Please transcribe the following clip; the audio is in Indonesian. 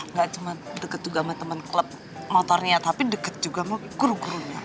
nggak cuma dekat juga sama temen klub motornya tapi dekat juga sama guru gurunya